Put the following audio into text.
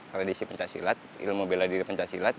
tradisi pencak silat ilmu bela diri pencak silat